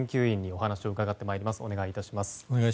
お願い致します。